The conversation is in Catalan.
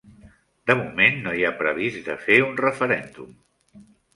De moment no hi ha previst de fer un referèndum